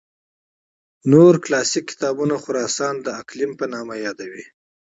نور کلاسیک کتابونه خراسان د اقلیم په نامه یادوي.